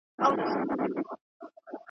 له هر نوي کفن کښه ګیله من یو `